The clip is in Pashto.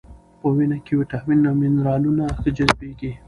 په وینه کې ویټامینونه او منرالونه ښه جذبېږي.